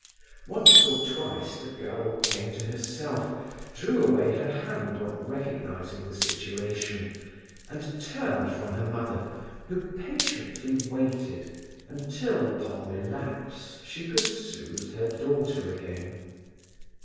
Once or twice the girl came to herself, drew away her hand on recognizing the situation, and turned from her mother, who patiently waited until, upon relapse, she could soothe her daughter again.